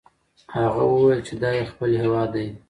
هغه وویل چې دا یې خپل هیواد دی.